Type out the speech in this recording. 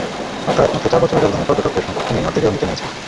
অর্থাৎ মাত্র চার বছরের ব্যবধানে পর্যটকের সংখ্যা কমে অর্ধেকেরও নিচে নেমেছে।